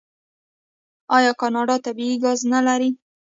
آیا کاناډا طبیعي ګاز نلري؟